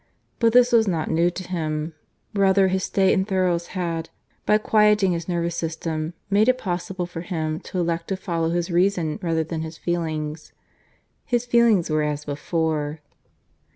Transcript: But this was not new to him. Rather his stay in Thurles had, by quieting his nervous system, made it possible for him to elect to follow his reason rather than his feelings. His feelings were as before.